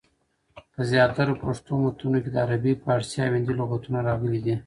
په زیاترو پښتو متونو کي دعربي، پاړسي، او هندي لغتونه راغلي دي.